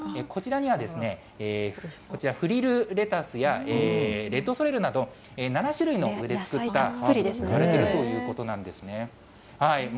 こちらには、こちら、フリルレタスやレッドソレルなど、７種類の野菜が置かれているということなんですね。